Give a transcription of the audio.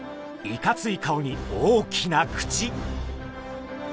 いかつい顔に大きな口！